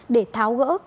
để tháo gỡ